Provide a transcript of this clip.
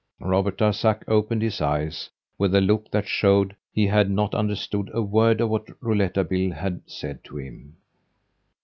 Robert Darzac opened his eyes, with a look that showed he had not understood a word of what Rouletabille had said to him.